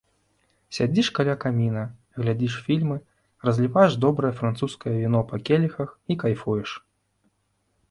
Сядзіш каля каміна, глядзіш фільмы, разліваеш добрае французскае віно па келіхах і кайфуеш.